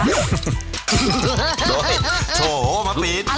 โว้ยโถ้มับปี๊ด